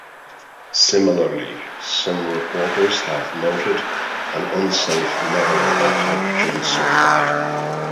Similarly some reporters have noted an unsafe level of hydrogen sulfide.